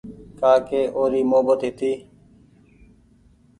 ڪآ ڪي اوري محبت هيتي